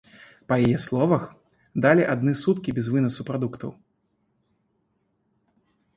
Па яе словах, далі адны суткі без вынасу прадуктаў.